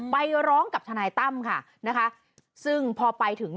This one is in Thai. ไปร้องกับทนายตั้มค่ะนะคะซึ่งพอไปถึง